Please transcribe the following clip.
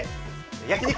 焼肉！